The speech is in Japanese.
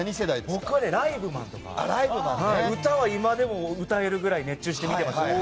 僕は「ライブマン」とか歌は今でも歌えるぐらい熱中して見てました。